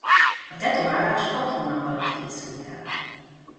A tetoválás hat hónap alatt készült el.